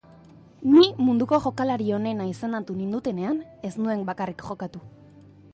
Ni munduko jokalari onena izendatu nindutenean ez nuen bakarrik jokatu.